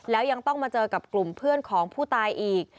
แล้วยังต้องมาเจอกับกลุ่มเพื่อนของผู้ตายอีก